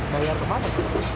bayar ke mana